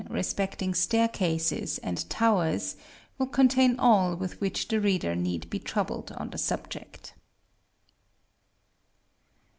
respecting staircases and towers, will contain all with which the reader need be troubled on the subject.